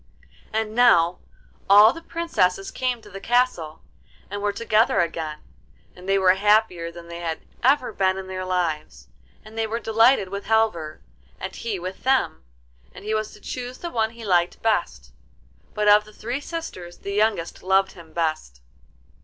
And now all the Princesses came to the castle, and were together again, and they were happier than they had ever been in their lives; and they were delighted with Halvor, and he with them, and he was to choose the one he liked best; but of the three sisters the youngest loved him best.